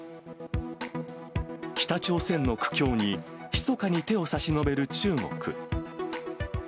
北朝鮮の苦境に、ひそかに手を差し伸べる中国。